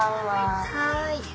はい。